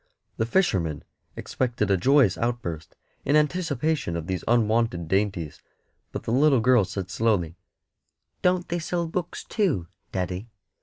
The fisherman expected a joyous outburst in anticipation of these unwonted dainties, but the little girl said slowly "Don't they sell books, too, daddy?